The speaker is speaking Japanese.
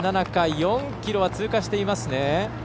４ｋｍを通過していますね。